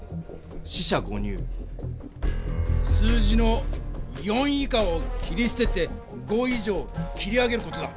数字の４以下を切り捨てて５以上を切り上げる事だ。